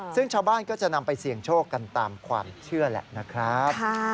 ซึ่งชาวบ้านก็จะนำไปเสี่ยงโชคกันตามความเชื่อแหละนะครับ